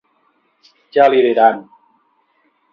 Ja li diran.